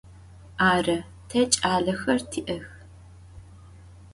Arı, te ç'alexer ti'ex.